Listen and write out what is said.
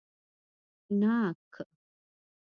🍐ناک